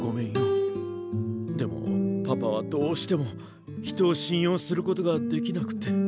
でもパパはどうしても人を信用することができなくて。